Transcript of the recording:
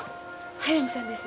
速水さんです。